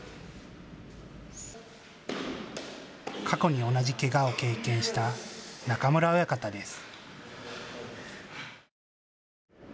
過去に同じけがを経験した中村親方です。